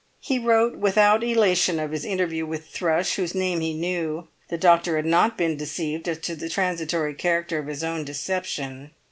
He wrote without elation of his interview with Thrush, whose name he knew; the doctor had not been deceived as to the transitory character of his own deception.